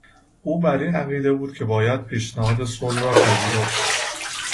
او بر این عقیده بود که باید پیشنهاد صلح را پذیرفت.